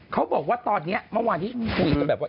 เขาบอกว่าตอนนี้เมื่อวานที่คุยกันแบบว่า